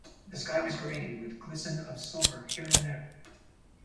The sky was grey, with glisten of silver here and there.